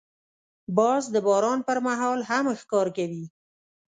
باز د باران پر مهال هم ښکار کوي